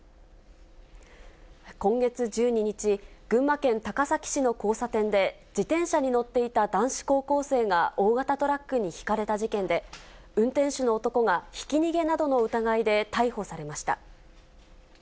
今月１２日、群馬県高崎市の交差点で、自転車に乗っていた男子高校生が大型トラックにひかれた事件で、運転手の男がひき逃げなどの疑いで逮捕されました。